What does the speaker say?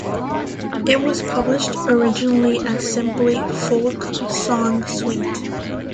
It was published originally as simply Folk Song Suite.